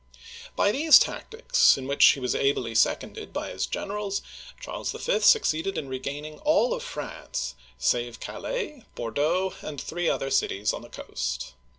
" By these tactics, in which he was ably seconded by his generals, Charles V. succeeded in regaining all of France, save Calais, Bordeaux (bor do'), and three other cities on the coast.